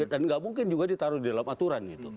dan gak mungkin juga ditaruh di dalam aturan